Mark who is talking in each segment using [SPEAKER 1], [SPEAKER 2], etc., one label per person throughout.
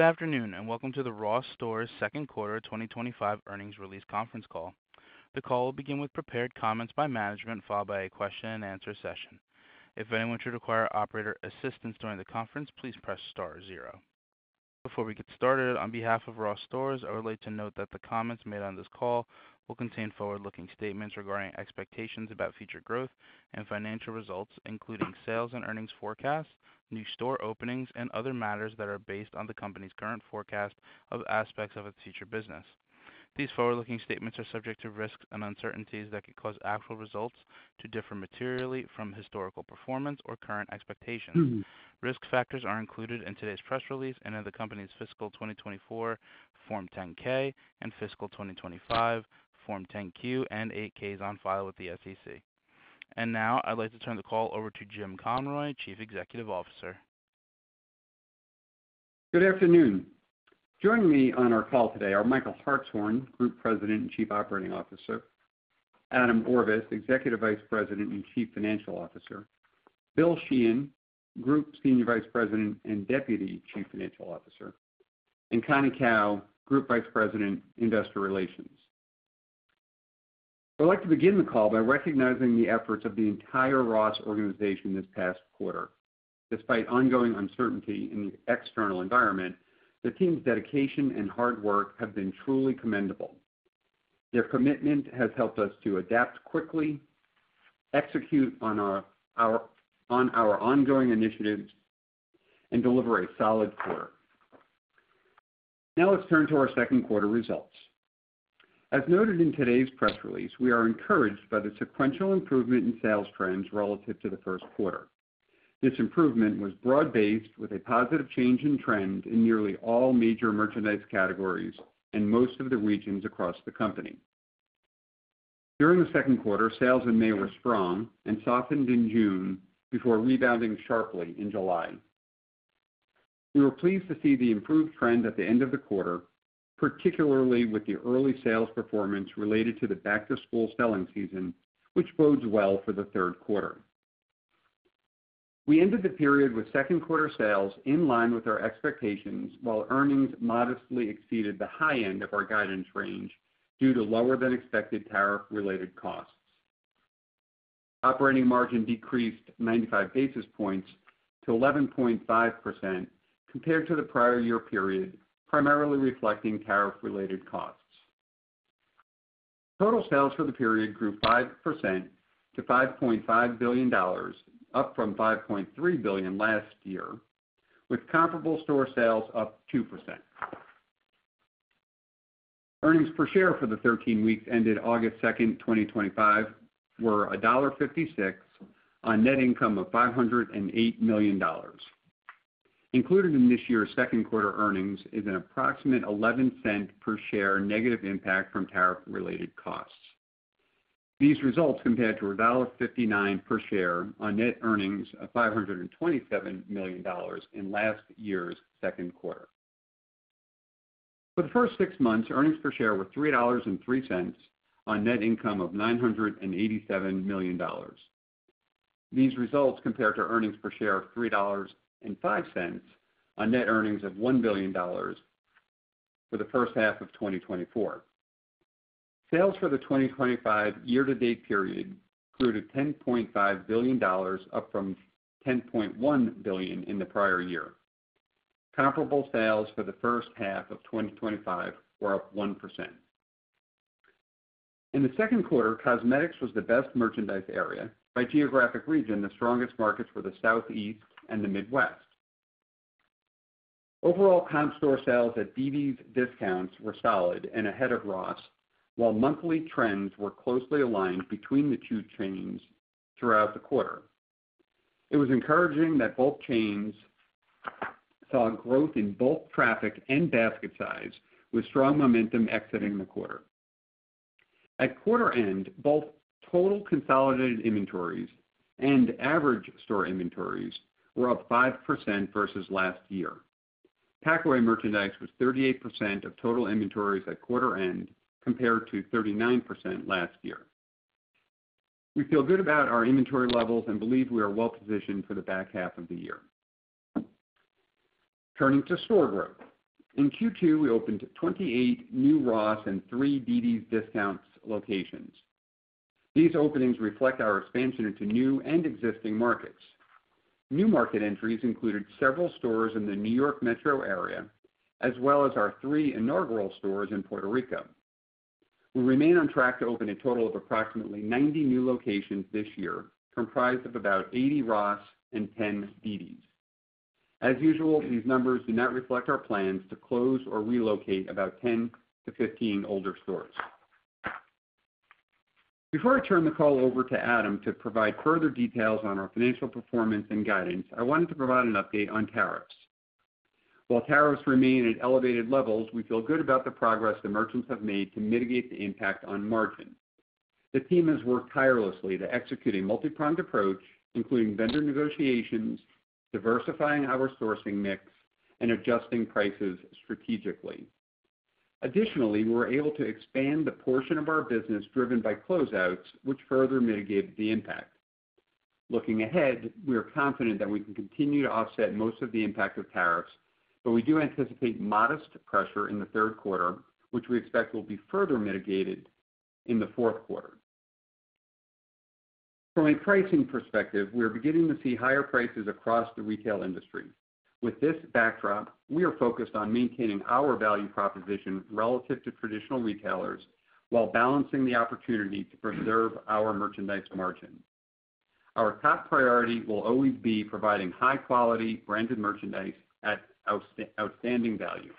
[SPEAKER 1] Good afternoon and welcome to the Ross Stores Second Quarter 2025 Earnings Release Conference Call. The call will begin with prepared comments by management, followed by a question and answer session. If anyone should require operator assistance during the conference, please press star zero. Before we get started, on behalf of Ross Stores, I would like to note that the comments made on this call will contain forward-looking statements regarding expectations about future growth and financial results, including sales and earnings forecasts, new store openings, and other matters that are based on the company's current forecast of aspects of its future business. These forward-looking statements are subject to risks and uncertainties that could cause actual results to differ materially from historical performance or current expectations. Risk factors are included in today's press release and in the company's fiscal 2024 Form 10-K and fiscal 2025 Form 10-Q and 8-Ks on file with the SEC. I would like to turn the call over to Jim Conroy, Chief Executive Officer.
[SPEAKER 2] Good afternoon. Joining me on our call today are Michael Hartshorn, Group President and Chief Operating Officer; Adam Orvos, Executive Vice President and Chief Financial Officer; Bill Sheehan, Group Senior Vice President and Deputy Chief Financial Officer; and Connie Kao, Group Vice President, Investor Relations. I would like to begin the call by recognizing the efforts of the entire Ross organization this past quarter. Despite ongoing uncertainty in the external environment, the team's dedication and hard work have been truly commendable. Their commitment has helped us to adapt quickly, execute on our ongoing initiatives, and deliver a solid quarter. Now let's turn to our second quarter results. As noted in today's press release, we are encouraged by the sequential improvement in sales trends relative to the first quarter. This improvement was broad-based with a positive change in trend in nearly all major merchandise categories and most of the regions across the company. During the second quarter, sales in May were strong and softened in June, before rebounding sharply in July. We were pleased to see the improved trend at the end of the quarter, particularly with the early sales performance related to the back-to-school selling season, which bodes well for the third quarter. We ended the period with second quarter sales in line with our expectations, while earnings modestly exceeded the high end of our guidance range due to lower than expected tariff-related costs. Operating margin decreased 95 basis points to 11.5% compared to the prior year period, primarily reflecting tariff-related costs. Total sales for the period grew 5% to $5.5 billion, up from $5.3 billion last year, with comparable store sales up 2%. Earnings per share for the 13 weeks ended August 2, 2025, were $1.56 on net income of $508 million. Included in this year's second quarter earnings is an approximate $0.11 per share negative impact from tariff-related costs. These results compared to $1.59 per share on net earnings of $527 million in last year's second quarter. For the first six months, earnings per share were $3.03 on net income of $987 million. These results compared to earnings per share of $3.05 on net earnings of $1 billion for the first half of 2024. Sales for the 2025 year-to-date period grew to $10.5 billion, up from $10.1 billion in the prior year. Comparable sales for the first half of 2025 were up 1%. In the second quarter, cosmetics was the best merchandise area. By geographic region, the strongest markets were the Southeast and the Midwest. Overall, comparable store sales at dd's DISCOUNTS were solid and ahead of Ross, while monthly trends were closely aligned between the two chains throughout the quarter. It was encouraging that both chains saw growth in both traffic and basket size, with strong momentum exiting the quarter. At quarter end, both total consolidated inventories and average store inventories were up 5% versus last year. Packaway merchandise was 38% of total inventories at quarter end, compared to 39% last year. We feel good about our inventory levels and believe we are well-positioned for the back half of the year. Turning to store growth, in Q2, we opened 28 new Ross and three dd's DISCOUNTS locations. These openings reflect our expansion into new and existing markets. New market entries included several stores in the New York metro area, as well as our three inaugural stores in Puerto Rico. We remain on track to open a total of approximately 90 new locations this year, comprised of about 80 Ross and 10 dd's. As usual, these numbers do not reflect our plans to close or relocate about 10-15 older stores. Before I turn the call over to Adam to provide further details on our financial performance and guidance, I wanted to provide an update on tariffs. While tariffs remain at elevated levels, we feel good about the progress the merchants have made to mitigate the impact on margins. The team has worked tirelessly to execute a multi-pronged approach, including vendor negotiations, diversifying our sourcing mix, and adjusting prices strategically. Additionally, we were able to expand the portion of our business driven by closeouts, which further mitigated the impact. Looking ahead, we are confident that we can continue to offset most of the impact of tariffs, but we do anticipate modest pressure in the third quarter, which we expect will be further mitigated in the fourth quarter. From a pricing perspective, we are beginning to see higher prices across the retail industry. With this backdrop, we are focused on maintaining our value proposition relative to traditional retailers, while balancing the opportunity to preserve our merchandise margin. Our top priority will always be providing high-quality branded merchandise at outstanding value.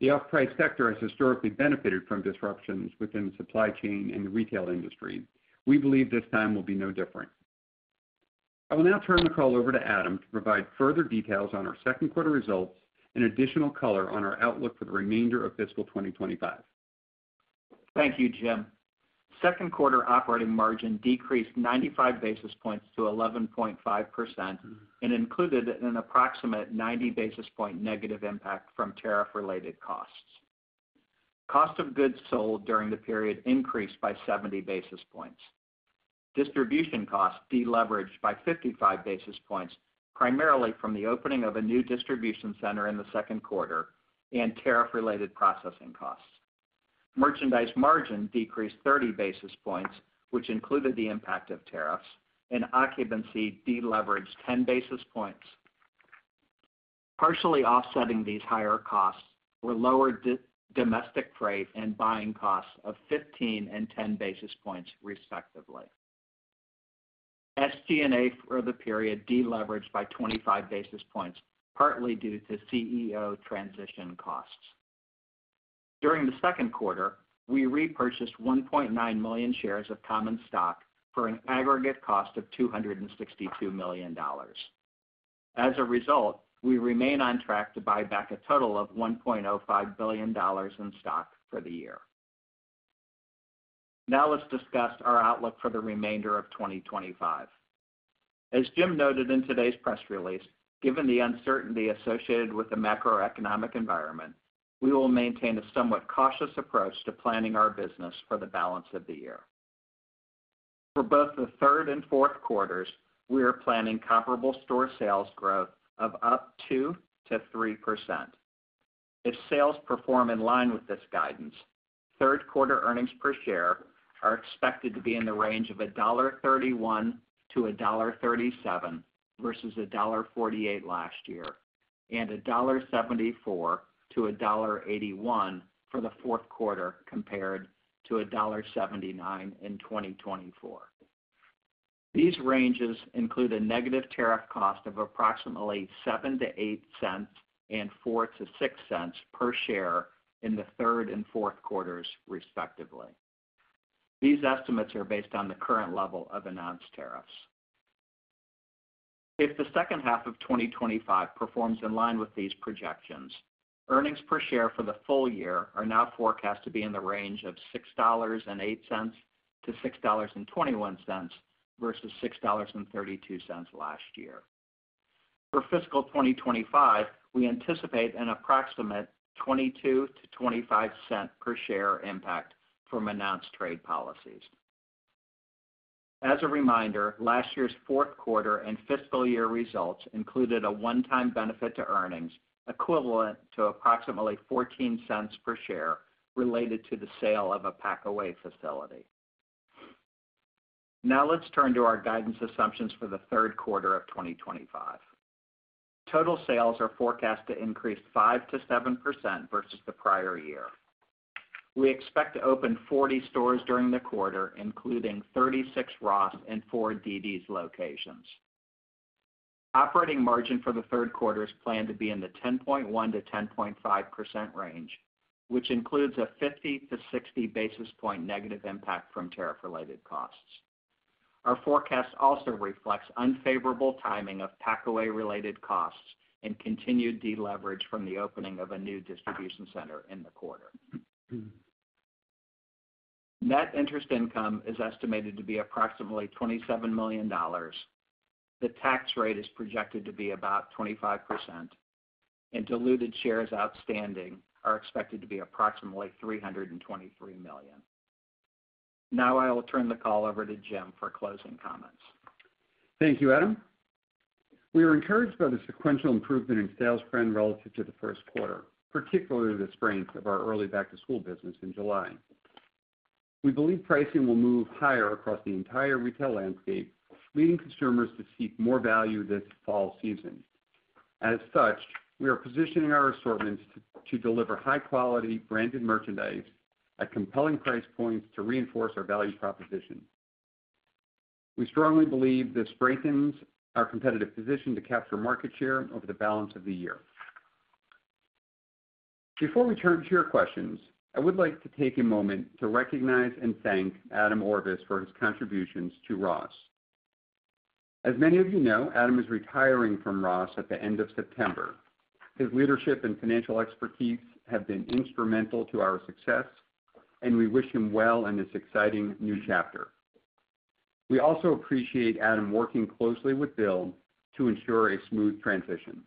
[SPEAKER 2] The off-price sector has historically benefited from disruptions within the supply chain and the retail industry. We believe this time will be no different. I will now turn the call over to Adam to provide further details on our second quarter results and additional color on our outlook for the remainder of fiscal 2025.
[SPEAKER 3] Thank you, Jim. Second quarter operating margin decreased 95 basis points to 11.5% and included an approximate 90 basis point negative impact from tariff-related costs. Cost of goods sold during the period increased by 70 basis points. Distribution costs deleveraged by 55 basis points, primarily from the opening of a new distribution center in the second quarter and tariff-related processing costs. Merchandise margin decreased 30 basis points, which included the impact of tariffs, and occupancy deleveraged 10 basis points, partially offsetting these higher costs with lower domestic freight and buying costs of 15 and 10 basis points, respectively. SG&A for the period deleveraged by 25 basis points, partly due to CEO transition costs. During the second quarter, we repurchased 1.9 million shares of common stock for an aggregate cost of $262 million. As a result, we remain on track to buy back a total of $1.05 billion in stock for the year. Now let's discuss our outlook for the remainder of 2025. As Jim noted in today's press release, given the uncertainty associated with the macroeconomic environment, we will maintain a somewhat cautious approach to planning our business for the balance of the year. For both the third and fourth quarters, we are planning comparable store sales growth of up 2%-3%. If sales perform in line with this guidance, third quarter earnings per share are expected to be in the range of $1.31-$1.37 versus $1.48 last year, and $1.74-$1.81 for the fourth quarter compared to $1.79 in 2024. These ranges include a negative tariff cost of approximately $0.07-$0.08 and $0.04-$0.06 per share in the third and fourth quarters, respectively. These estimates are based on the current level of announced tariffs. If the second half of 2025 performs in line with these projections, earnings per share for the full year are now forecast to be in the range of $6.08-$6.21 versus $6.32 last year. For fiscal 2025, we anticipate an approximate $0.22-$0.25 per share impact from announced trade policies. As a reminder, last year's fourth quarter and fiscal year results included a one-time benefit to earnings equivalent to approximately $0.14 per share related to the sale of a pack away facility. Now let's turn to our guidance assumptions for the third quarter of 2025. Total sales are forecast to increase 5%-7% versus the prior year. We expect to open 40 stores during the quarter, including 36 Ross and four dd's locations. Operating margin for the third quarter is planned to be in the 10.1%-10.5% range, which includes a 50-60 basis point negative impact from tariff-related costs. Our forecast also reflects unfavorable timing of pack away related costs and continued deleverage from the opening of a new distribution center in the quarter. Net interest income is estimated to be approximately $27 million. The tax rate is projected to be about 25%, and diluted shares outstanding are expected to be approximately 323 million. Now I will turn the call over to Jim for closing comments.
[SPEAKER 2] Thank you, Adam. We are encouraged by the sequential improvement in sales trend relative to the first quarter, particularly the strength of our early back-to-school business in July. We believe pricing will move higher across the entire retail landscape, leading consumers to seek more value this fall season. As such, we are positioning our stores to deliver high-quality branded merchandise at compelling price points to reinforce our value proposition. We strongly believe this strengthens our competitive position to capture market share over the balance of the year. Before we turn to your questions, I would like to take a moment to recognize and thank Adam Orvos for his contributions to Ross. As many of you know, Adam is retiring from Ross at the end of September. His leadership and financial expertise have been instrumental to our success, and we wish him well in this exciting new chapter. We also appreciate Adam working closely with Bill to ensure a smooth transition.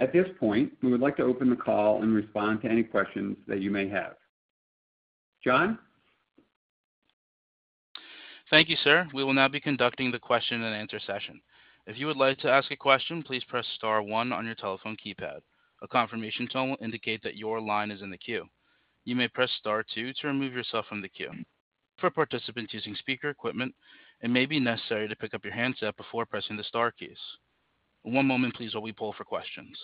[SPEAKER 2] At this point, we would like to open the call and respond to any questions that you may have. John?
[SPEAKER 1] Thank you, sir. We will now be conducting the question and answer session. If you would like to ask a question, please press star one on your telephone keypad. A confirmation tone will indicate that your line is in the queue. You may press star two to remove yourself from the queue. For participants using speaker equipment, it may be necessary to pick up your handset before pressing the star keys. One moment, please, while we pull for questions.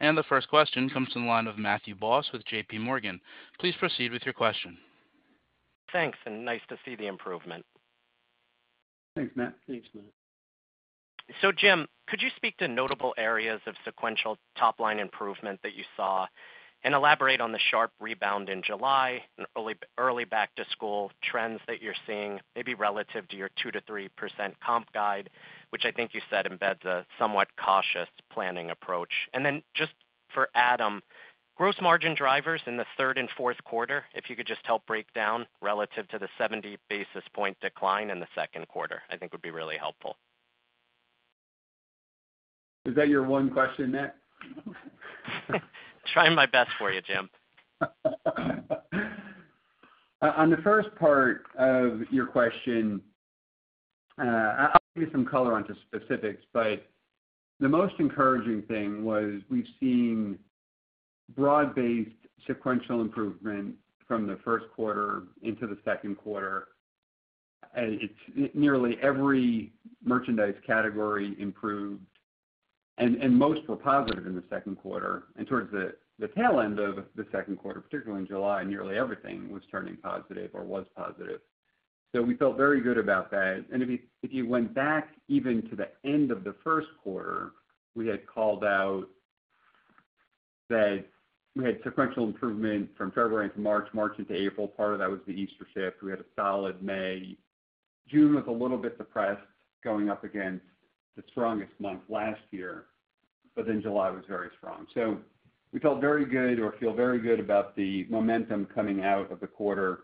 [SPEAKER 1] The first question comes from the line of Matthew Boss with JPMorgan. Please proceed with your question.
[SPEAKER 4] Thanks, and nice to see the improvement.
[SPEAKER 5] Thanks, Matt.
[SPEAKER 4] Jim, could you speak to notable areas of sequential top-line improvement that you saw and elaborate on the sharp rebound in July and early back-to-school trends that you're seeing, maybe relative to your 2%-3% comp guide, which I think you said embeds a somewhat cautious planning approach. For Adam, gross margin drivers in the third and fourth quarter, if you could just help break down relative to the 70 basis point decline in the second quarter, I think would be really helpful.
[SPEAKER 2] Is that your one question, Matt?
[SPEAKER 4] Trying my best for you, Jim.
[SPEAKER 2] On the first part of your question, I'll give you some color onto specifics, but the most encouraging thing was we've seen broad-based sequential improvement from the first quarter into the second quarter. Nearly every merchandise category improved, and most were positive in the second quarter. Towards the tail end of the second quarter, particularly in July, nearly everything was turning positive or was positive. We felt very good about that. If you went back even to the end of the first quarter, we had called out that we had sequential improvement from February into March, March into April. Part of that was the Easter shift. We had a solid May, June with a little bit of press going up against the strongest month last year, but July was very strong. We felt very good or feel very good about the momentum coming out of the quarter.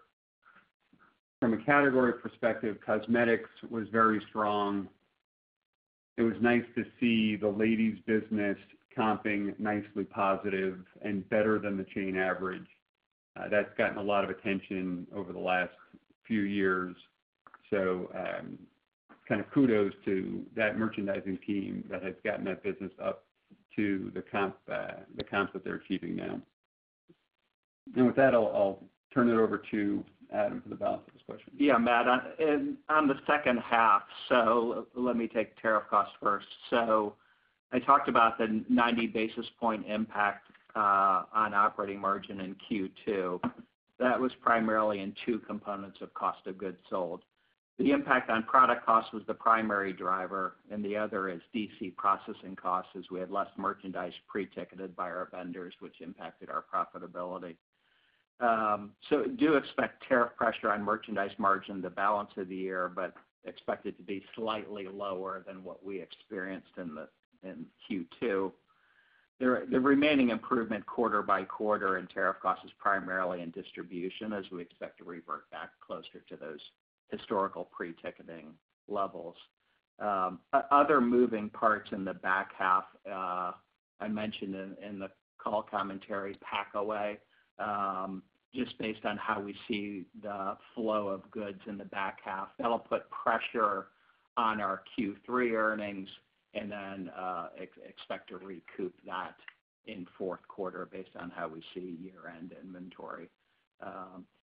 [SPEAKER 2] From a category perspective, cosmetics was very strong. It was nice to see the ladies' business comping nicely positive and better than the chain average. That's gotten a lot of attention over the last few years. Kudos to that merchandising team that has gotten that business up to the comps that they're achieving now. With that, I'll turn it over to Adam for the balance of this question.
[SPEAKER 3] Yeah, Matt. On the second half, let me take tariff costs first. I talked about the 90 basis point impact on operating margin in Q2. That was primarily in two components of cost of goods sold. The impact on product cost was the primary driver, and the other is DC processing costs as we had less merchandise pre-ticketed by our vendors, which impacted our profitability. We do expect tariff pressure on merchandise margin the balance of the year, but expect it to be slightly lower than what we experienced in Q2. The remaining improvement quarter by quarter in tariff costs is primarily in distribution as we expect to revert back closer to those historical pre-ticketing levels. Other moving parts in the back half, I mentioned in the call commentary, packaway, just based on how we see the flow of goods in the back half. That'll put pressure on our Q3 earnings, and expect to recoup that in fourth quarter based on how we see year-end inventory.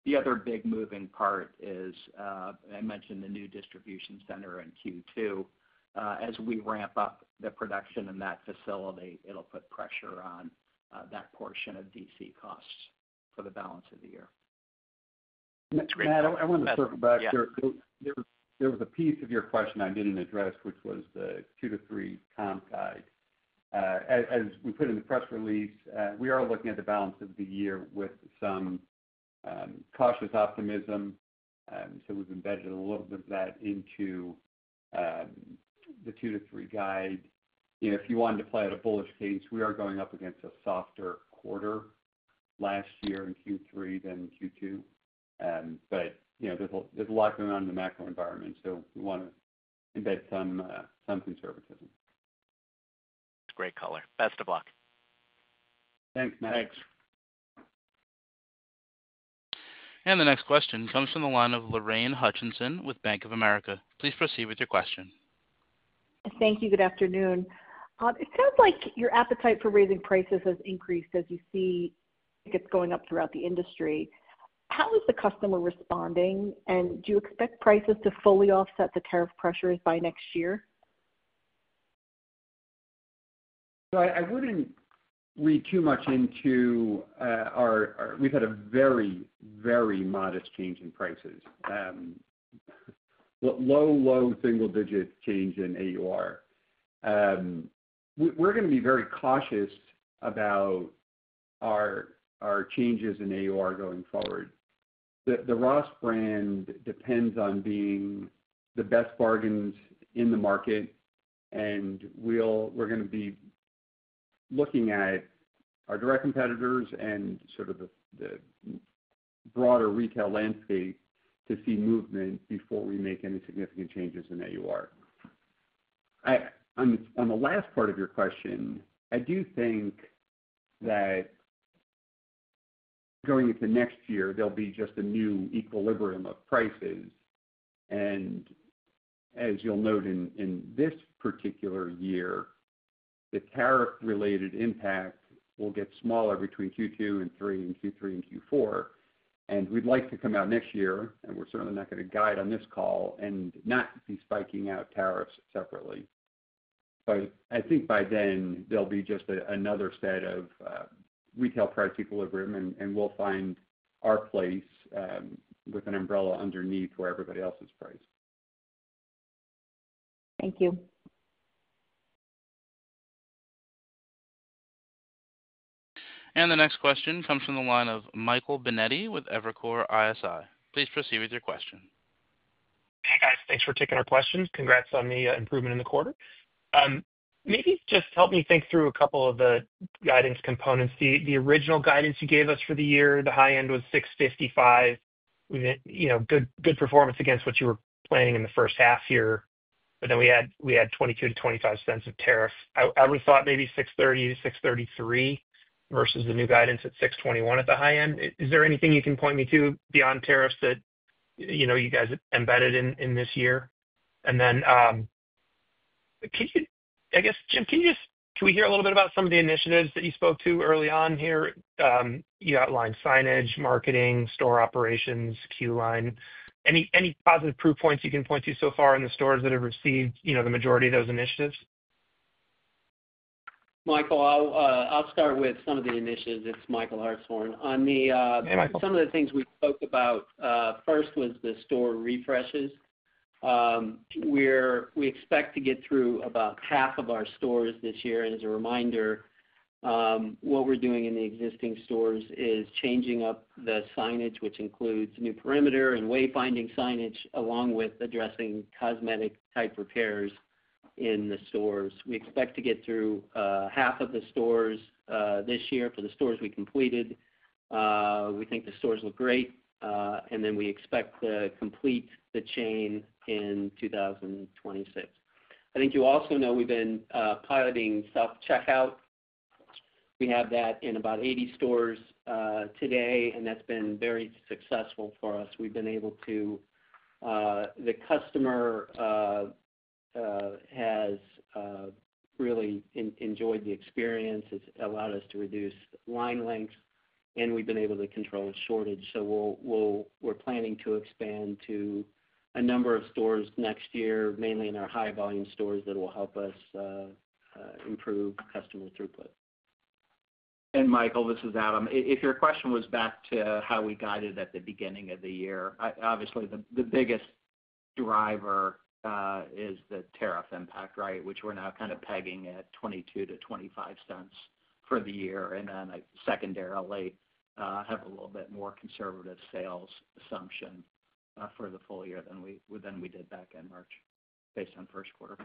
[SPEAKER 3] The other big moving part is, I mentioned the new distribution center in Q2. As we ramp up the production in that facility, it'll put pressure on that portion of DC costs for the balance of the year.
[SPEAKER 2] Matt, I want to circle back. There was a piece of your question I didn't address, which was the 2%-3% comp guide. As we put in the press release, we are looking at the balance of the year with some cautious optimism. We've embedded a little bit of that into the 2%-3% guide. If you wanted to play at a bullish case, we are going up against a softer quarter last year in Q3 than Q2. There's a lot going on in the macro environment, so we want to embed some conservatism.
[SPEAKER 4] Great color. Best of luck.
[SPEAKER 2] Thanks, Matt.
[SPEAKER 1] The next question comes from the line of Lorraine Hutchinson with Bank of America. Please proceed with your question.
[SPEAKER 6] Thank you. Good afternoon. It sounds like your appetite for raising prices has increased as you see it's going up throughout the industry. How is the customer responding, and do you expect prices to fully offset the tariff pressures by next year?
[SPEAKER 2] I wouldn't read too much into our—we've had a very, very modest change in prices. Low, low single-digit change in AUR. We're going to be very cautious about our changes in AUR going forward. The Ross brand depends on being the best bargains in the market, and we're going to be looking at our direct competitors and sort of the broader retail landscape to see movement before we make any significant changes in AUR. On the last part of your question, I do think that going into next year, there'll be just a new equilibrium of prices. As you'll note in this particular year, the tariff-related impact will get smaller between Q2 and Q3 and Q3 and Q4. We'd like to come out next year, and we're certainly not going to guide on this call and not be spiking out tariffs separately. I think by then, there'll be just another set of retail price equilibrium, and we'll find our place with an umbrella underneath where everybody else is priced.
[SPEAKER 6] Thank you.
[SPEAKER 1] The next question comes from the line of Michael Binetti with Evercore ISI. Please proceed with your question.
[SPEAKER 7] Hey, guys. Thanks for taking our questions. Congrats on the improvement in the quarter. Maybe just help me think through a couple of the guidance components. The original guidance you gave us for the year, the high end was $6.55. We've had good performance against what you were planning in the first half here, but then we had $0.22-$0.25 of tariffs. I would have thought maybe $6.30-$6.33 versus the new guidance at $6.21 at the high end. Is there anything you can point me to beyond tariffs that you guys embedded in this year? I guess, Jim, can you just, can we hear a little bit about some of the initiatives that you spoke to early on here? You outlined signage, marketing, store operations, queue line. Any positive proof points you can point to so far in the stores that have received the majority of those initiatives?
[SPEAKER 5] Michael, I'll start with some of the initiatives. It's Michael Hartshorn. Some of the things we spoke about first was the store refreshes. We expect to get through about half of our stores this year. As a reminder, what we're doing in the existing stores is changing up the signage, which includes new perimeter and wayfinding signage, along with addressing cosmetic type repairs in the stores. We expect to get through half of the stores this year. For the stores we completed, we think the stores look great, and we expect to complete the chain in 2026. I think you also know we've been piloting self-checkout. We have that in about 80 stores today, and that's been very successful for us. The customer has really enjoyed the experience. It's allowed us to reduce line length, and we've been able to control a shortage. We are planning to expand to a number of stores next year, mainly in our high-volume stores. That will help us improve customer throughput.
[SPEAKER 3] Michael, this is Adam. If your question was back to how we guided at the beginning of the year, obviously the biggest driver is the tariff impact, which we're now kind of pegging at $0.22-$0.25 for the year. Secondarily, I have a little bit more conservative sales assumption for the full year than we did back in March based on first quarter.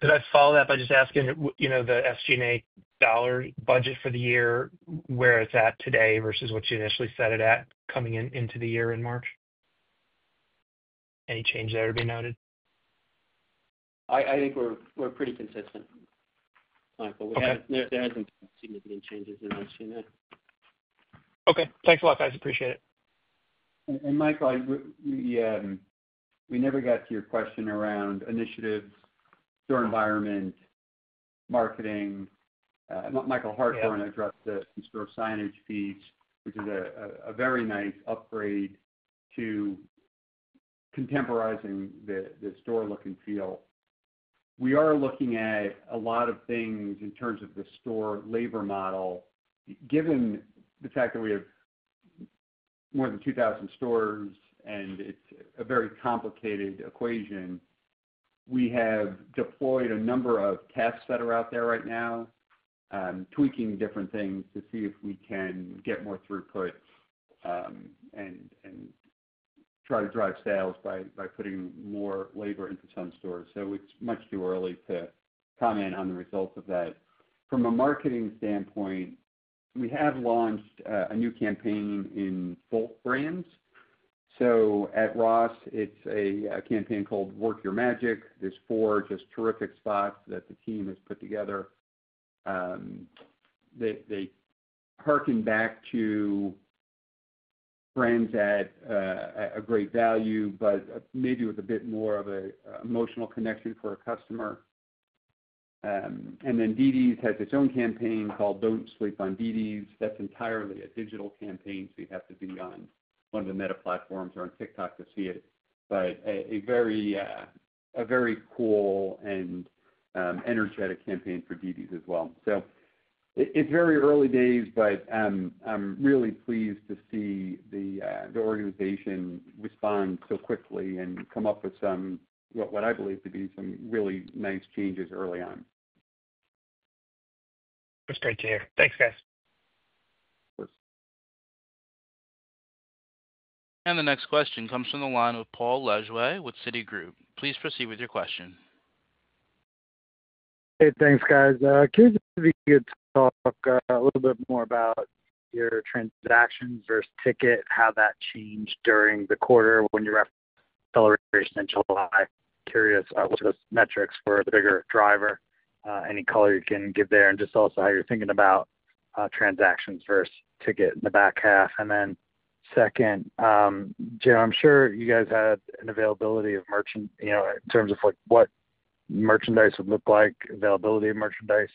[SPEAKER 7] Could I follow that by just asking, you know, the SG&A dollar budget for the year, where it's at today versus what you initially set it at coming into the year in March? Any change there to be noted?
[SPEAKER 5] I think we're pretty consistent, Michael. There hasn't been significant changes that I've seen there.
[SPEAKER 7] Okay, thanks a lot, guys. Appreciate it.
[SPEAKER 2] Michael, we never got to your question around initiatives, store environment, marketing. Michael Hartshorn addressed the store signage feeds, which is a very nice upgrade to contemporizing the store look and feel. We are looking at a lot of things in terms of the store labor model. Given the fact that we have more than 2,000 stores and it's a very complicated equation, we have deployed a number of tests that are out there right now, tweaking different things to see if we can get more throughput and try to drive sales by putting more labor into some stores. It's much too early to comment on the results of that. From a marketing standpoint, we have launched a new campaign in both brands. At Ross, it's a campaign called Work Your Magic. There are four just terrific spots that the team has put together. They hearken back to brands at a great value, but maybe with a bit more of an emotional connection for a customer. And then dd's has its own campaign called Don’t Sleep on dd’s. That's entirely a digital campaign. You have to be on one of the Meta Platforms or on TikTok to see it. A very cool and energetic campaign for dd’s as well. It's very early days, but I'm really pleased to see the organization respond so quickly and come up with some, what I believe to be some really nice changes early on.
[SPEAKER 7] That's great to hear. Thanks, guys.
[SPEAKER 1] The next question comes from the line of Paul Lejuez with Citigroup. Please proceed with your question.
[SPEAKER 8] Hey, thanks, guys. I came to see if you could talk a little bit more about your transactions versus ticket, how that changed during the quarter when your reps accelerated in July. Curious, obviously, those metrics were the bigger driver. Any color you can give there? Also, how you're thinking about transactions versus ticket in the back half. Second, Jim, I'm sure you guys had an availability of merchandise, you know, in terms of like what merchandise would look like, availability of merchandise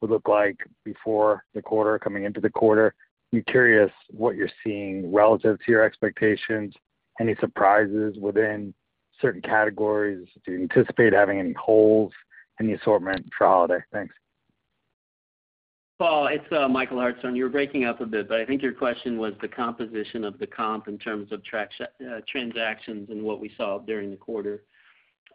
[SPEAKER 8] would look like before the quarter, coming into the quarter. I'm curious what you're seeing relative to your expectations. Any surprises within certain categories? Do you anticipate having any holes in the assortment for holiday? Thanks.
[SPEAKER 7] Paul, it's Michael Hartshorn. You were breaking up a bit, but I think your question was the composition of the comp in terms of transactions and what we saw during the quarter.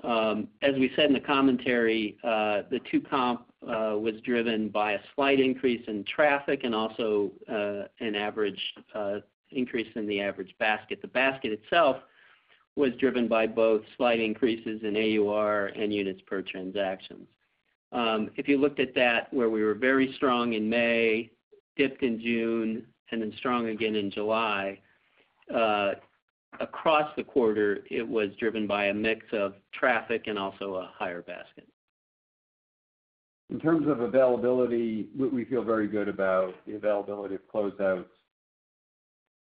[SPEAKER 7] As we said in the commentary, the two comp was driven by a slight increase in traffic and also an average increase in the average basket. The basket itself was driven by both slight increases in AUR and units per transaction. If you looked at that, where we were very strong in May, dipped in June, and then strong again in July, across the quarter, it was driven by a mix of traffic and also a higher basket.
[SPEAKER 2] In terms of availability, we feel very good about the availability of closeout.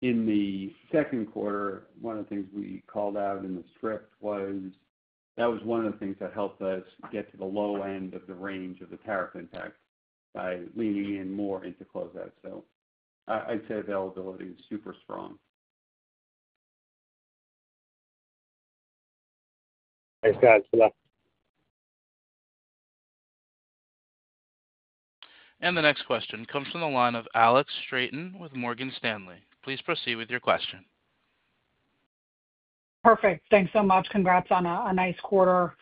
[SPEAKER 2] In the second quarter, one of the things we called out in the script was that was one of the things that helped us get to the low end of the range of the tariff impact by leaning in more into closeouts. I'd say availability is super strong.
[SPEAKER 8] Thanks guys. Good luck.
[SPEAKER 1] The next question comes from the line of Alex Straton with Morgan Stanley. Please proceed with your question.
[SPEAKER 9] Perfect. Thanks so much. Congrats on a nice quarter.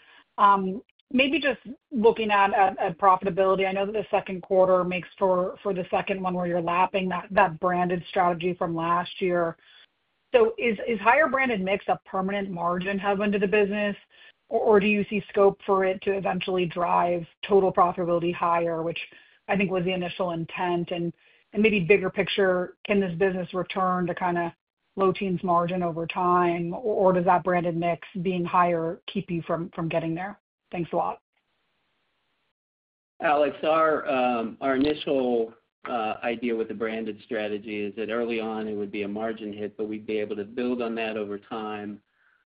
[SPEAKER 9] Maybe just looking at profitability, I know that the second quarter makes for the second one where you're lapping that branded strategy from last year. Is higher branded mix a permanent margin heaven to the business, or do you see scope for it to eventually drive total profitability higher, which I think was the initial intent? Maybe bigger picture, can this business return to kind of low-teens margin over time, or does that branded mix being higher keep you from getting there? Thanks a lot.
[SPEAKER 5] Alex, our initial idea with the branded strategy is that early on, it would be a margin hit, but we'd be able to build on that over time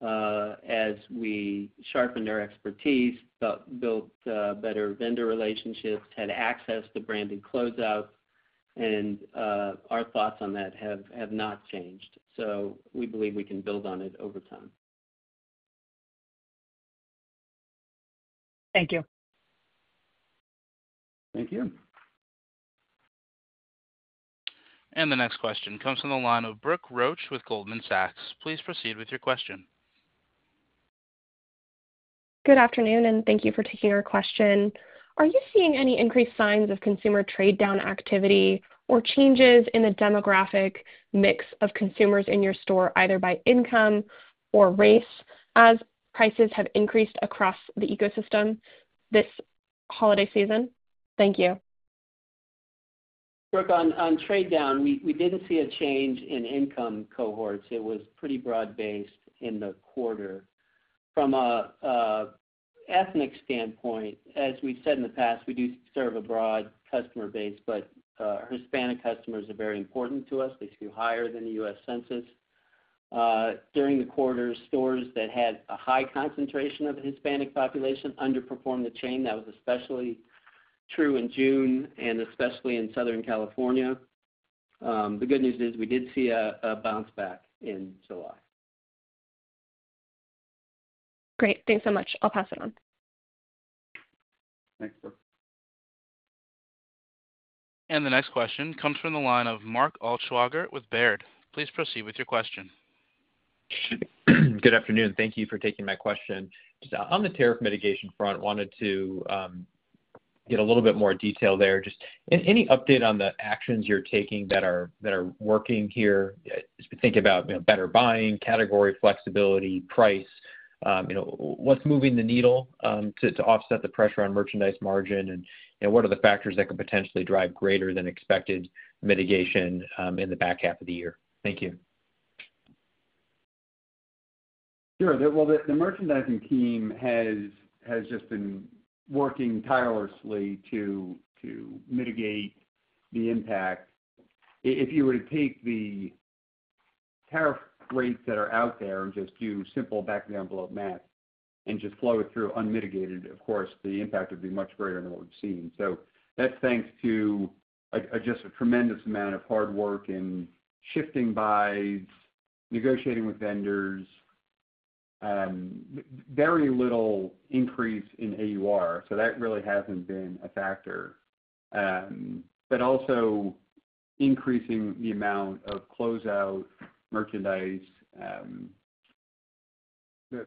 [SPEAKER 5] as we sharpened our expertise, built better vendor relationships, had access to branded closeouts, and our thoughts on that have not changed. We believe we can build on it over time.
[SPEAKER 9] Thank you.
[SPEAKER 1] The next question comes from the line of Brooke Roach with Goldman Sachs. Please proceed with your question.
[SPEAKER 10] Good afternoon, and thank you for taking our question. Are you seeing any increased signs of consumer trade-down activity or changes in the demographic mix of consumers in your store, either by income or race, as prices have increased across the ecosystem this holiday season? Thank you.
[SPEAKER 5] Brooke, on trade-down, we didn't see a change in income cohorts. It was pretty broad-based in the quarter. From an ethnic standpoint, as we've said in the past, we do serve a broad customer base, but Hispanic customers are very important to us. They skew higher than the U.S. census. During the quarter, stores that had a high concentration of the Hispanic population underperformed the chain. That was especially true in June, especially in Southern California. The good news is we did see a bounce back in July.
[SPEAKER 10] Great, thanks so much. I'll pass it on.
[SPEAKER 1] The next question comes from the line of Mark Altschwager with Baird. Please proceed with your question.
[SPEAKER 11] Good afternoon. Thank you for taking my question. On the tariff mitigation front, I wanted to get a little bit more detail there. Any update on the actions you're taking that are working here? Thinking about better buying, category flexibility, price, what's moving the needle to offset the pressure on merchandise margin? What are the factors that could potentially drive greater than expected mitigation in the back half of the year? Thank you.
[SPEAKER 2] Sure. The merchandising team has just been working tirelessly to mitigate the impact. If you were to take the tariff rates that are out there and just do simple back-of-the-envelope math and just flow it through unmitigated, of course, the impact would be much greater than what we've seen. That's thanks to just a tremendous amount of hard work in shifting buys, negotiating with vendors, very little increase in AUR. That really hasn't been a factor. Also, increasing the amount of closeout merchandise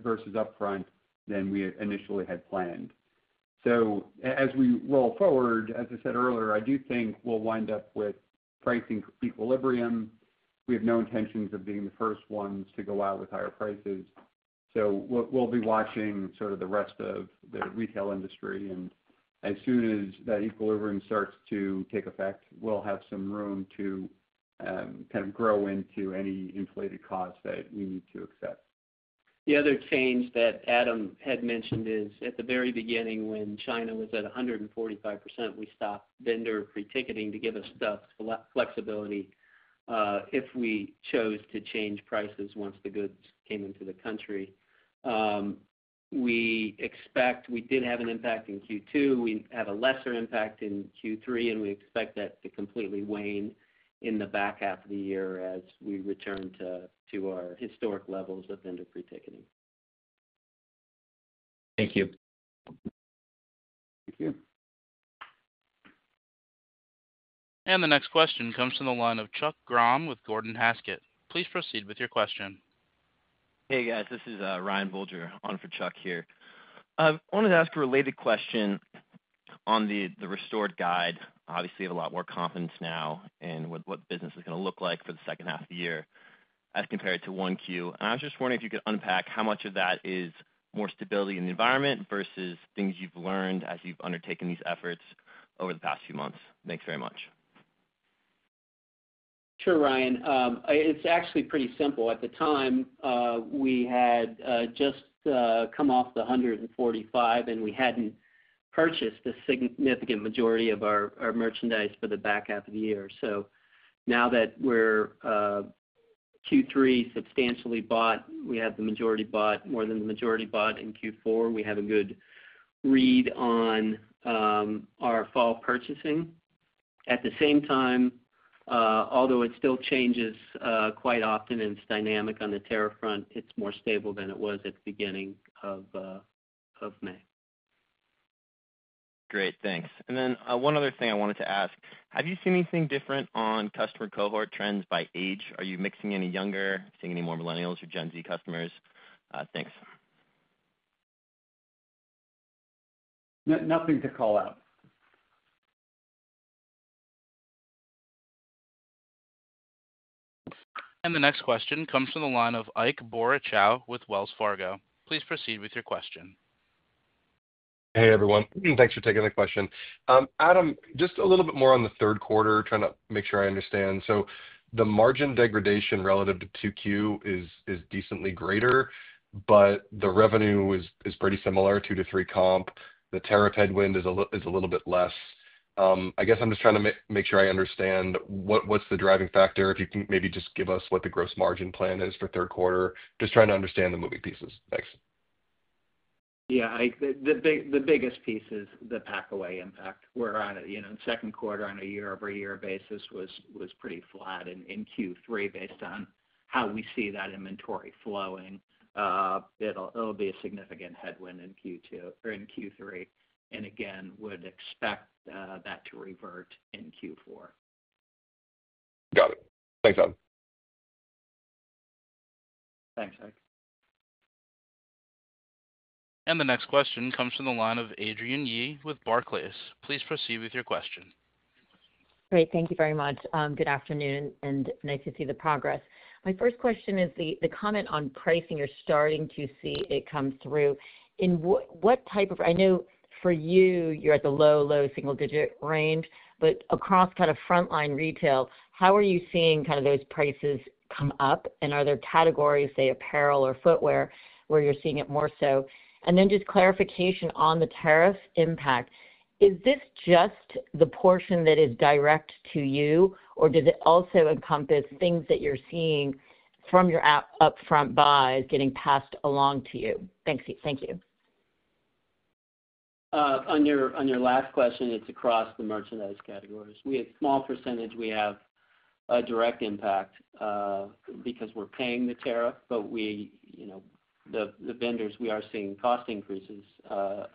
[SPEAKER 2] versus upfront than we initially had planned. As we roll forward, as I said earlier, I do think we'll wind up with pricing equilibrium. We have no intentions of being the first ones to go out with higher prices. We'll be watching sort of the rest of the retail industry. As soon as that equilibrium starts to take effect, we'll have some room to kind of grow into any inflated costs that we need to accept.
[SPEAKER 5] The other change that Adam had mentioned is at the very beginning, when China was at 145%, we stopped vendor pre-ticketing to give us flexibility if we chose to change prices once the goods came into the country. We expect we did have an impact in Q2. We have a lesser impact in Q3, and we expect that to completely wane in the back half of the year as we return to our historic levels of vendor pre-ticketing.
[SPEAKER 11] Thank you.
[SPEAKER 1] The next question comes from the line of Chuck Grom with Gordon Haskett. Please proceed with your question.
[SPEAKER 12] Hey, guys. This is Ryan Bulger on for Chuck here. I wanted to ask a related question on the restored guide. Obviously, you have a lot more confidence now in what the business is going to look like for the second half of the year as compared to 1Q. I was just wondering if you could unpack how much of that is more stability in the environment versus things you've learned as you've undertaken these efforts over the past few months. Thanks very much.
[SPEAKER 5] Sure, Ryan. It's actually pretty simple. At the time, we had just come off the [145], and we hadn't purchased a significant majority of our merchandise for the back half of the year. Now that we're Q3 substantially bought, we had the majority bought, more than the majority bought in Q4. We have a good read on our fall purchasing. At the same time, although it still changes quite often and it's dynamic on the tariff front, it's more stable than it was at the beginning of May.
[SPEAKER 12] Great, thanks. One other thing I wanted to ask. Have you seen anything different on customer cohort trends by age? Are you mixing any younger, seeing any more millennials or Gen Z customers? Thanks.
[SPEAKER 2] Nothing to call out.
[SPEAKER 1] The next question comes from the line of Irwin Boruchow with Wells Fargo. Please proceed with your question.
[SPEAKER 13] Hey, everyone. Thanks for taking the question. Adam, just a little bit more on the third quarter, trying to make sure I understand. The margin degradation relative to 2Q is decently greater, but the revenue is pretty similar, 2%-3% comp. The tariff headwind is a little bit less. I guess I'm just trying to make sure I understand what's the driving factor. If you can maybe just give us what the gross margin plan is for third quarter. Just trying to understand the moving pieces. Thanks.
[SPEAKER 3] Yeah, the biggest piece is the packaway impact. We're on a second quarter on a year-over-year basis was pretty flat in Q3, based on how we see that inventory flowing. It will be a significant headwind in Q2 or in Q3. Again, would expect that to revert in Q4.
[SPEAKER 13] Got it. Thanks, Adam.
[SPEAKER 1] The next question comes from the line of Adrienne Yih with Barclays. Please proceed with your question.
[SPEAKER 14] Great. Thank you very much. Good afternoon and nice to see the progress. My first question is the comment on pricing. You're starting to see it come through. In what type of, I know for you, you're at the low, low single-digit range, but across kind of frontline retail, how are you seeing kind of those prices come up? Are there categories, say apparel or footwear, where you're seeing it more so? Just clarification on the tariff impact. Is this just the portion that is direct to you, or does it also encompass things that you're seeing from your upfront buys getting passed along to you? Thank you.
[SPEAKER 5] On your last question, it's across the merchandise categories. We have a small percentage we have a direct impact because we're paying the tariff, but the vendors we are seeing cost increases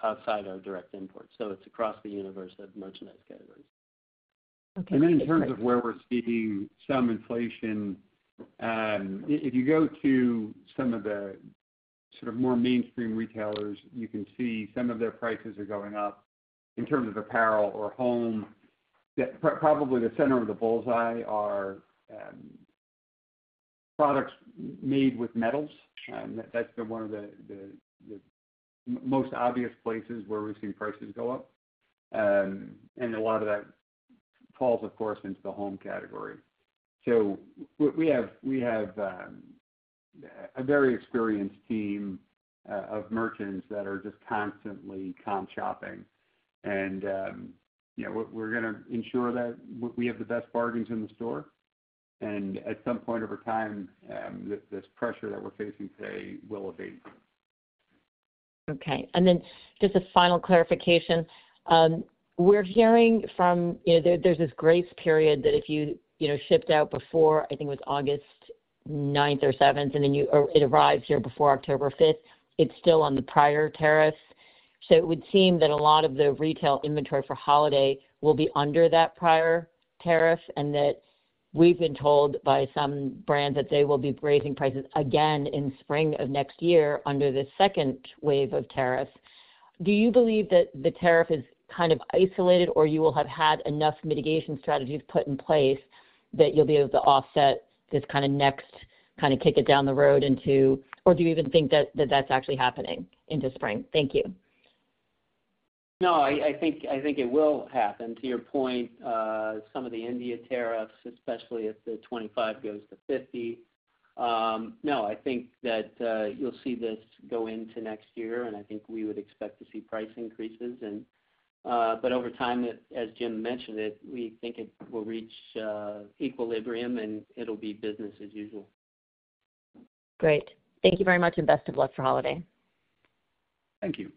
[SPEAKER 5] outside our direct imports. It's across the universe of merchandise categories.
[SPEAKER 14] Okay.
[SPEAKER 2] In terms of where we're seeing some inflation, if you go to some of the more mainstream retailers, you can see some of their prices are going up in terms of apparel or home. Probably the center of the bullseye are products made with metals. That's been one of the most obvious places where we've seen prices go up. A lot of that falls, of course, into the home category. We have a very experienced team of merchants that are constantly comp shopping. We're going to ensure that we have the best bargains in the store. At some point over time, this pressure that we're facing today will abate.
[SPEAKER 14] Okay. Just a final clarification. We're hearing from, you know, there's this grace period that if you shipped out before, I think it was August 9th or 7th, and then you arrived here before October 5th, it's still on the prior tariff. It would seem that a lot of the retail inventory for holiday will be under that prior tariff and that we've been told by some brands that they will be raising prices again in spring of next year under the second wave of tariffs. Do you believe that the tariff is kind of isolated, or you will have had enough mitigation strategies put in place that you'll be able to offset this kind of next kind of kick it down the road into, or do you even think that that's actually happening into spring? Thank you.
[SPEAKER 7] No, I think it will happen. To your point, some of the India tariffs, especially if the 25% goes to 50%. No, I think that you'll see this go into next year, and I think we would expect to see price increases. Over time, as Jim mentioned, we think it will reach equilibrium, and it'll be business as usual.
[SPEAKER 14] Great. Thank you very much, and best of luck for holiday.
[SPEAKER 2] Thank you.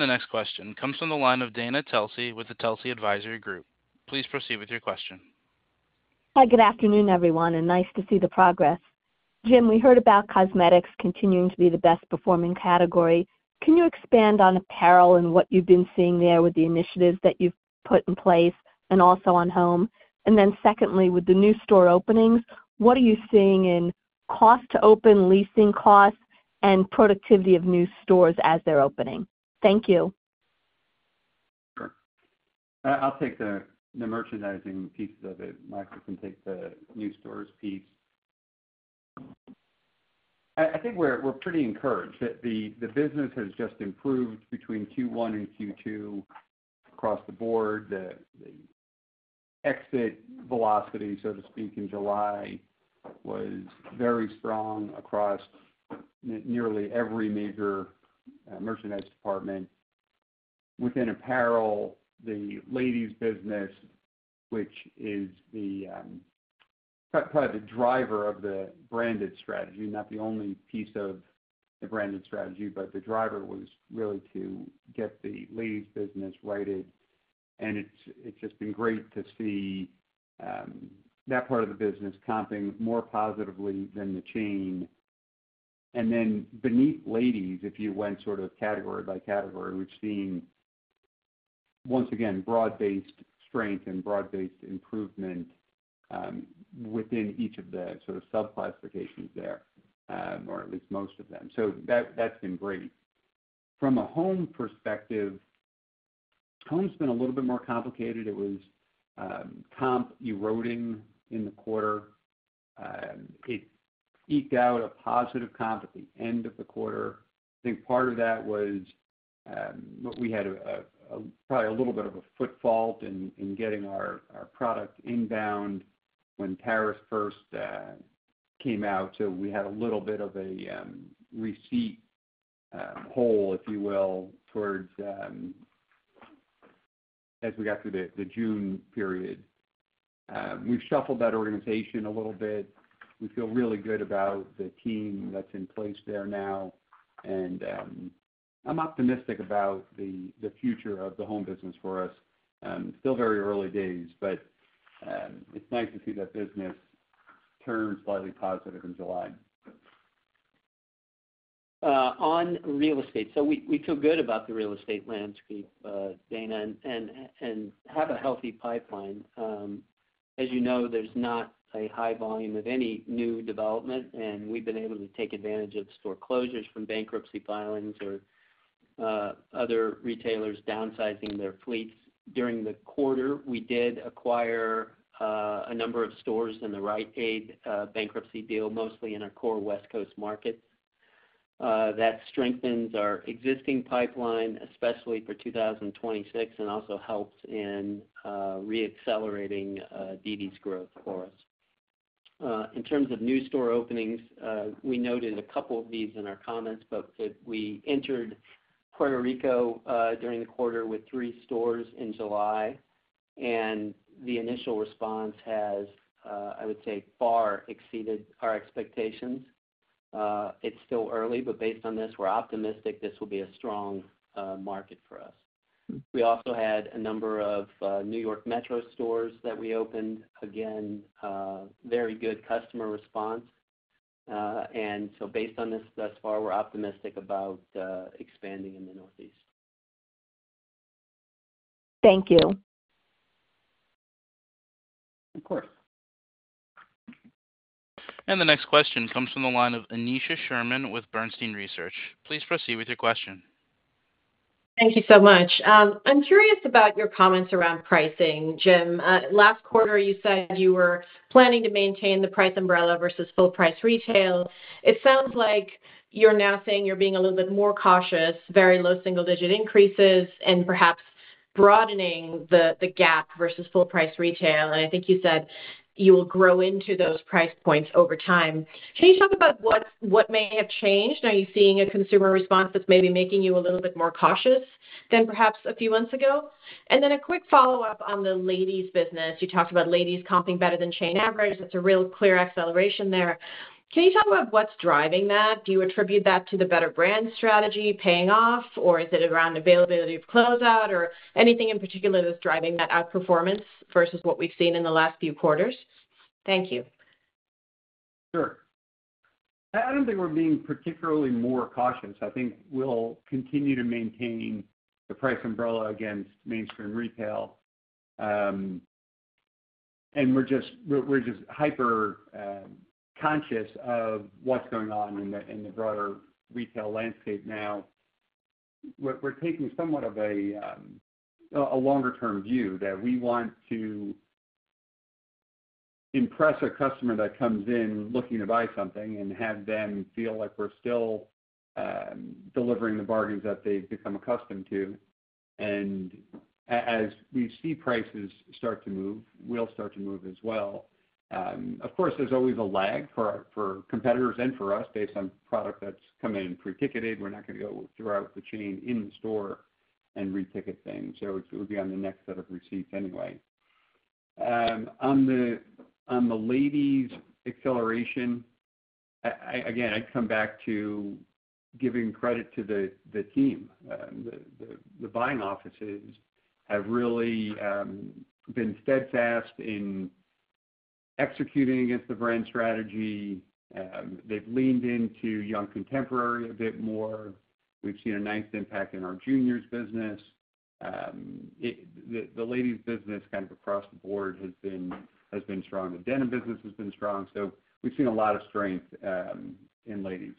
[SPEAKER 1] The next question comes from the line of Dana Telsey with the Telsey Advisory Group. Please proceed with your question.
[SPEAKER 15] Hi, good afternoon, everyone, and nice to see the progress. Jim, we heard about cosmetics continuing to be the best-performing category. Can you expand on apparel and what you've been seeing there with the initiatives that you've put in place, also on home? Secondly, with the new store openings, what are you seeing in cost to open, leasing costs, and productivity of new stores as they're opening? Thank you.
[SPEAKER 2] I'll take the merchandising piece of it. Michael can take the new stores piece. I think we're pretty encouraged. The business has just improved between Q1 and Q2 across the board. The exit velocity, so to speak, in July was very strong across nearly every major merchandise department. Within apparel, the ladies' business, which is kind of the driver of the branded strategy, not the only piece of the branded strategy, but the driver was really to get the ladies' business righted. It's just been great to see that part of the business comping more positively than the chain. Beneath ladies, if you went sort of category by category, we've seen, once again, broad-based strength and broad-based improvement within each of the sort of sub-classifications there, or at least most of them. That's been great. From a home perspective, home's been a little bit more complicated. It was comp eroding in the quarter. It's eked out a positive comp at the end of the quarter. I think part of that was what we had, probably a little bit of a foot fault in getting our product inbound when tariffs first came out. We had a little bit of a receipt hole, if you will, as we got through the June period. We've shuffled that organization a little bit. We feel really good about the team that's in place there now. I'm optimistic about the future of the home business for us. Still very early days, but it's nice to see the business turn slightly positive in July.
[SPEAKER 5] On real estate, we feel good about the real estate landscape, Dana, and have a healthy pipeline. As you know, there's not a high volume of any new development, and we've been able to take advantage of store closures from bankruptcy filings or other retailers downsizing their fleets. During the quarter, we did acquire a number of stores in the Rite Aid bankruptcy deal, mostly in our core West Coast markets. That strengthens our existing pipeline, especially for 2026, and also helps in re-accelerating dd's growth for us. In terms of new store openings, we noted a couple of these in our comments, but we entered Puerto Rico during the quarter with three stores in July. The initial response has, I would say, far exceeded our expectations. It's still early, but based on this, we're optimistic this will be a strong market for us. We also had a number of New York metro stores that reopened. Again, very good customer response. Based on this thus far, we're optimistic about expanding in the Northeast.
[SPEAKER 15] Thank you.
[SPEAKER 1] The next question comes from the line of Aneesha Sherman with Bernstein Research. Please proceed with your question.
[SPEAKER 16] Thank you so much. I'm curious about your comments around pricing, Jim. Last quarter, you said you were planning to maintain the price umbrella versus full-price retail. It sounds like you're now saying you're being a little bit more cautious, very low single-digit increases, and perhaps broadening the gap versus full-price retail. I think you said you will grow into those price points over time. Can you talk about what may have changed? Are you seeing a consumer response that's maybe making you a little bit more cautious than perhaps a few months ago? A quick follow-up on the ladies' business. You talked about ladies comping better than chain average. That's a real clear acceleration there. Can you talk about what's driving that? Do you attribute that to the better brand strategy paying off, or is it around availability of closeout, or anything in particular that's driving that outperformance versus what we've seen in the last few quarters? Thank you.
[SPEAKER 2] Sure. I don't think we're being particularly more cautious. I think we'll continue to maintain the price umbrella against mainstream retail, and we're just hyper-conscious of what's going on in the broader retail landscape now. We're taking somewhat of a longer-term view that we want to impress a customer that comes in looking to buy something and have them feel like we're still delivering the bargains that they've become accustomed to. As we see prices start to move, we'll start to move as well. Of course, there's always a lag for competitors and for us based on product that's come in pre-ticketed. We're not going to go throughout the chain in-store and reticket things. It would be on the next set of receipts anyway. On the ladies' acceleration, I come back to giving credit to the team. The buying offices have really been steadfast in executing against the brand strategy. They've leaned into young contemporary a bit more. We've seen a nice impact in our juniors' business. The ladies' business kind of across the board has been strong. The denim business has been strong. We've seen a lot of strength in ladies.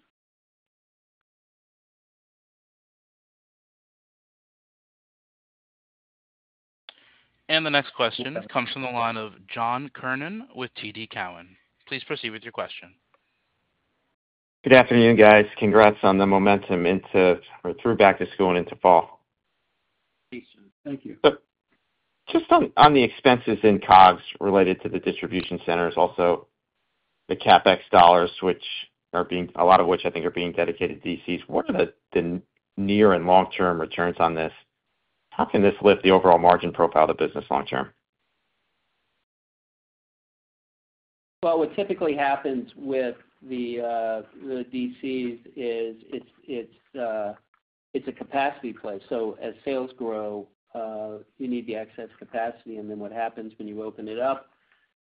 [SPEAKER 1] The next question comes from the line of John Kernan with TD Cowen. Please proceed with your question.
[SPEAKER 17] Good afternoon, guys. Congrats on the momentum into or through back to school and into fall. On the expenses and COGS related to the distribution centers, also the CapEx dollars, which are being, a lot of which I think are being dedicated to DCs, what are the near and long-term returns on this? How can this lift the overall margin profile of the business long-term?
[SPEAKER 5] What typically happens with the DCs is it's a capacity play. As sales grow, you need the excess capacity. When you open it up,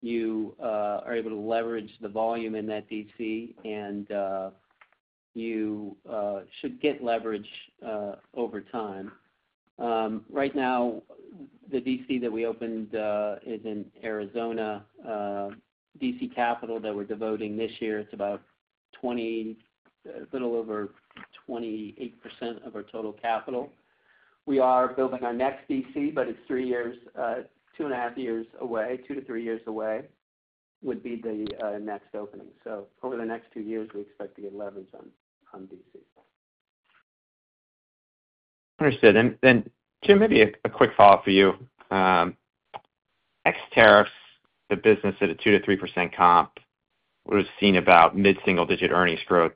[SPEAKER 5] you are able to leverage the volume in that DC, and you should get leverage over time. Right now, the DC that we opened is in Arizona, DC capital that we're devoting this year. It's about a little over 28% of our total capital. We are building our next DC, but it's three years, two and a half years away, two to three years away would be the next opening. Over the next two years, we expect to get leverage on DC.
[SPEAKER 17] Understood. Jim, maybe a quick follow-up for you. Ex-tariffs, the business at a 2%-3% comp would have seen about mid-single-digit earnings growth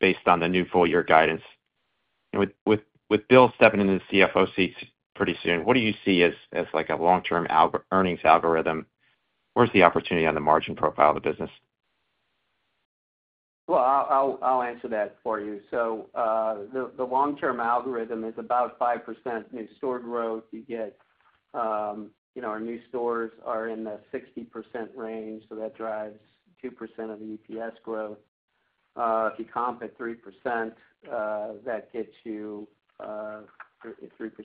[SPEAKER 17] based on the new full-year guidance. With Bill stepping into the CFO seat pretty soon, what do you see as a long-term earnings algorithm? Where's the opportunity on the margin profile of the business?
[SPEAKER 5] Well, I'll answer that for you. The long-term algorithm is about 5% new store growth. You get, you know, our new stores are in the 60% range, so that drives 2% of the EPS growth. If you comp at 3%, that gets you 3%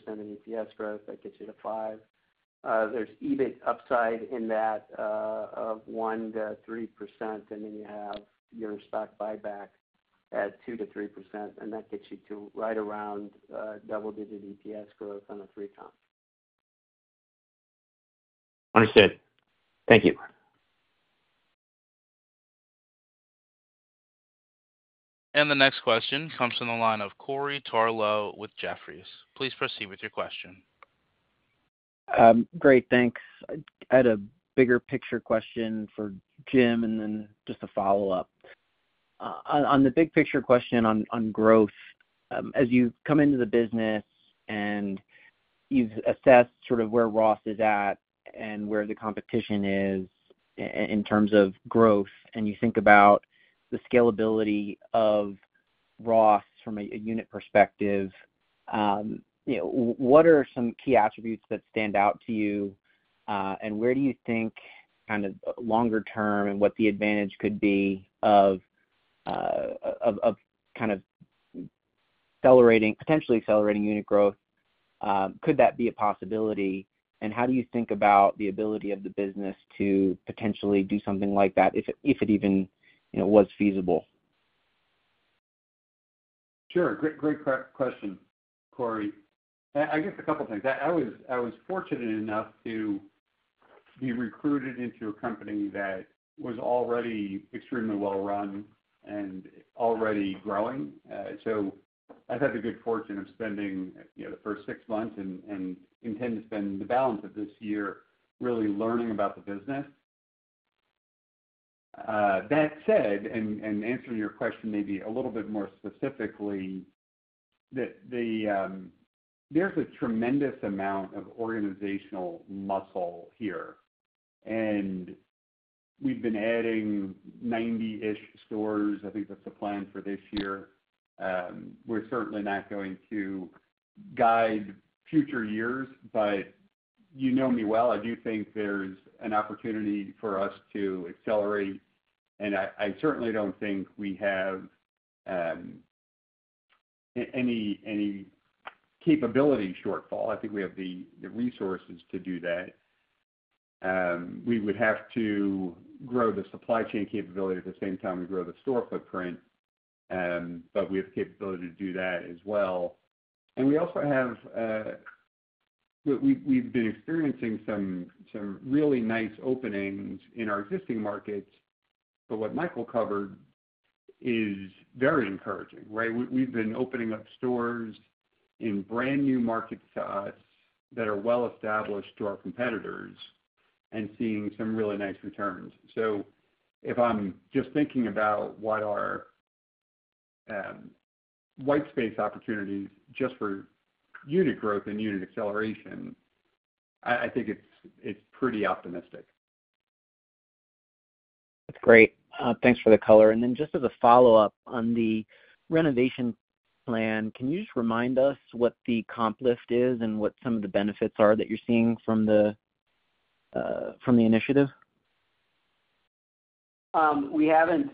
[SPEAKER 5] in EPS growth. That gets you to 5%. There's even upside in that of 1%-3%, and then you have your stock buyback at 2%-3%, and that gets you to right around double-digit EPS growth on a [3%] comp.
[SPEAKER 17] Understood. Thank you.
[SPEAKER 1] The next question comes from the line of Corey Tarlowe with Jefferies. Please proceed with your question.
[SPEAKER 18] Great. Thanks. I had a bigger picture question for Jim and then just a follow-up. On the big picture question on growth, as you come into the business and you've assessed sort of where Ross is at and where the competition is in terms of growth, and you think about the scalability of Ross from a unit perspective, what are some key attributes that stand out to you? Where do you think kind of longer term and what the advantage could be of kind of potentially accelerating unit growth? Could that be a possibility? How do you think about the ability of the business to potentially do something like that if it even was feasible?
[SPEAKER 2] Sure. Great question, Corey. I guess a couple of things. I was fortunate enough to be recruited into a company that was already extremely well-run and already growing. I've had the good fortune of spending the first six months and intend to spend the balance of this year really learning about the business. That said, in answering your question maybe a little bit more specifically, there's a tremendous amount of organizational muscle here. We've been adding 90-ish stores. I think that's the plan for this year. We're certainly not going to guide future years, but you know me well. I do think there's an opportunity for us to accelerate. I certainly don't think we have any capability shortfall. I think we have the resources to do that. We would have to grow the supply chain capability at the same time we grow the store footprint. We have the capability to do that as well. We've been experiencing some really nice openings in our existing markets. What Michael covered is very encouraging, right? We've been opening up stores in brand new markets to us that are well-established to our competitors and seeing some really nice returns. If I'm just thinking about what our white space opportunities are just for unit growth and unit acceleration, I think it's pretty optimistic.
[SPEAKER 18] That's great. Thanks for the color. Just as a follow-up on the renovation plan, can you remind us what the comp lift is and what some of the benefits are that you're seeing from the initiative?
[SPEAKER 5] We haven't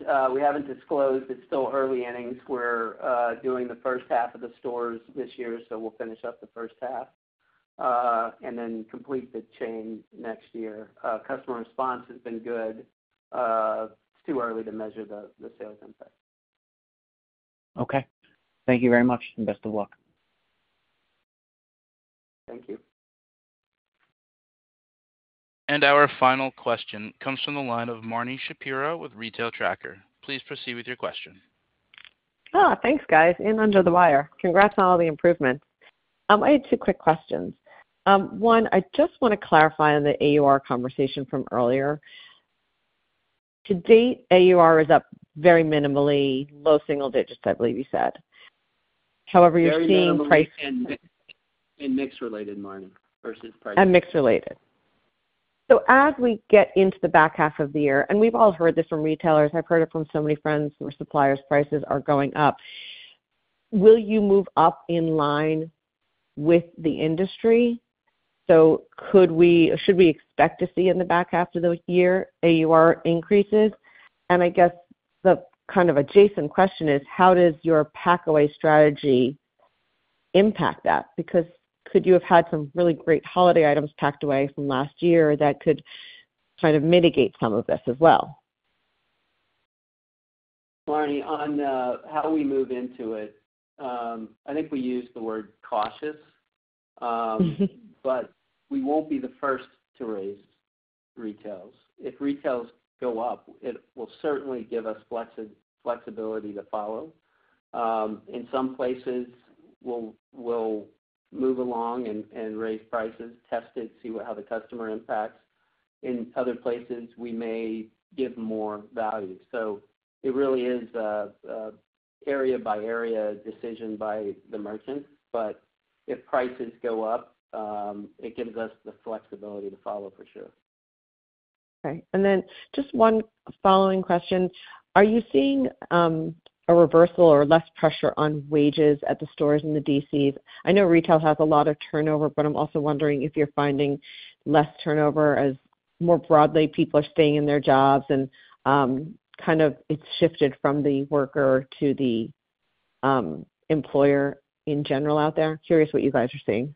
[SPEAKER 5] disclosed. It's still early innings. We're doing the first half of the stores this year, so we'll finish up the first half and then complete the chain next year. Customer response has been good. It's too early to measure the sales impact.
[SPEAKER 18] Okay, thank you very much and best of luck.
[SPEAKER 2] Thank you.
[SPEAKER 1] Our final question comes from the line of Marni Shapiro with Retail Tracker. Please proceed with your question.
[SPEAKER 19] Oh, thanks, guys. In under the wire. Congrats on all the improvements. I had two quick questions. One, I just want to clarify on the AUR conversation from earlier. To date, AUR is up very minimally, low single digits, I believe you said. However, you're seeing pricing.
[SPEAKER 2] It's mix related, Marni, versus price.
[SPEAKER 19] And mix related. As we get into the back half of the year, and we've all heard this from retailers, I've heard it from so many friends and suppliers, prices are going up. Will you move up in line with the industry? Could we, or should we, expect to see in the back half of the year AUR increases? I guess the kind of adjacent question is, how does your packaway strategy impact that? Could you have had some really great holiday items packed away from last year that could kind of mitigate some of this as well?
[SPEAKER 5] Marni, on how we move into it, I think we use the word cautious, but we won't be the first to raise retails. If retails go up, it will certainly give us flexibility to follow. In some places, we'll move along and raise prices, test it, see how the customer impacts. In other places, we may give more value. It really is an area-by-area decision by the merchant. If prices go up, it gives us the flexibility to follow for sure.
[SPEAKER 19] Okay. Just one following question. Are you seeing a reversal or less pressure on wages at the stores and the DCs? I know retail has a lot of turnover, but I'm also wondering if you're finding less turnover as more broadly people are staying in their jobs and kind of it's shifted from the worker to the employer in general out there. Curious what you guys are seeing.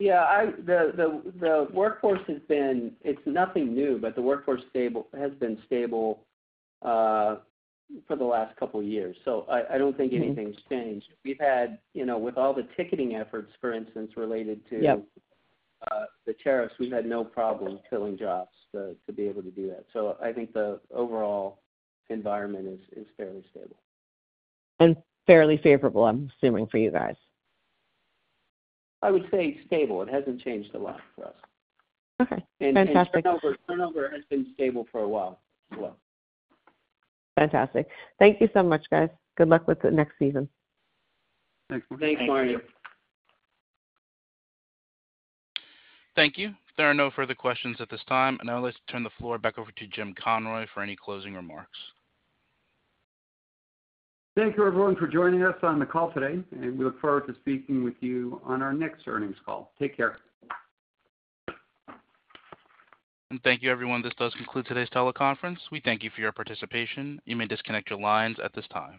[SPEAKER 5] Yeah, the workforce has been, it's nothing new, but the workforce has been stable for the last couple of years. I don't think anything's changed. We've had, with all the ticketing efforts, for instance, related to the tariffs, we've had no problem filling jobs to be able to do that. I think the overall environment is fairly stable.
[SPEAKER 19] And fairly favorable, I'm assuming, for you guys.
[SPEAKER 2] I would say stable. It hasn't changed a lot for us.
[SPEAKER 19] Okay. Fantastic.
[SPEAKER 5] Turnover has been stable for a while as well.
[SPEAKER 19] Fantastic. Thank you so much, guys. Good luck with the next season.
[SPEAKER 5] Thanks, Marni.
[SPEAKER 1] Thank you. There are no further questions at this time. I'll turn the floor back over to Jim Conroy for any closing remarks.
[SPEAKER 2] Thank you, everyone, for joining us on the call today. We look forward to speaking with you on our next earnings call. Take care.
[SPEAKER 1] Thank you, everyone. This concludes today's teleconference. We thank you for your participation. You may disconnect your lines at this time.